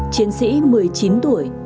chiến sĩ một mươi chín tuổi